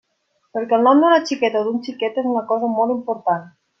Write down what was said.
Perquè el nom d'una xiqueta o d'un xiquet és una cosa molt important.